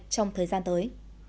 trong thời gian tới